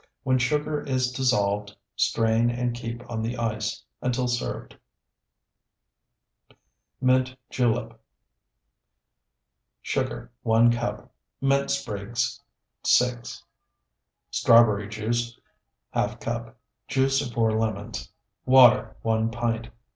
When sugar is dissolved strain and keep on the ice until served. MINT JULEP Sugar, 1 cup. Mint sprigs, 6. Strawberry juice, ½ cup. Juice of 4 lemons. Water, 1 pint.